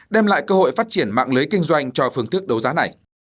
đem lại cơ hội phát triển mạng lưới kinh doanh cho phương thức đấu giá này